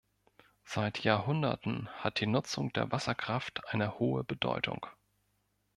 Seit Jahrhunderten hat die Nutzung der Wasserkraft eine hohe Bedeutung.